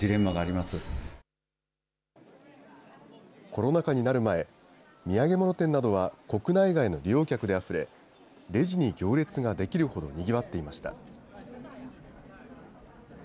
コロナ禍になる前、土産物店などは国内外の利用客であふれ、レジに行列が出来るほどにぎわっていました。